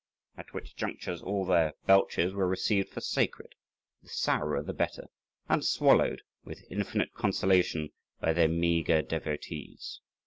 At which junctures all their belches were received for sacred, the sourer the better, and swallowed with infinite consolation by their meagre devotees.